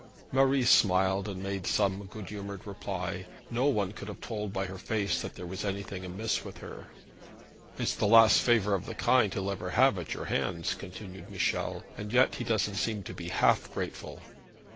Marie smiled, and made some good humoured reply. No one could have told by her face that there was anything amiss with her. 'It's the last favour of the kind he'll ever have at your hands,' continued Michel, 'and yet he doesn't seem to be half grateful.'